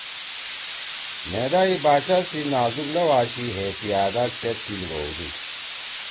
مھیدا ئی باچا سی نازک لؤ آشی ہے پیادا کھید تیِل بھؤدُود۔